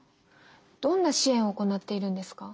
どんな支援を行っているんですか？